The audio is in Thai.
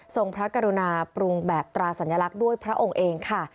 พระกรุณาปรุงแบบตราสัญลักษณ์ด้วยพระองค์เองค่ะ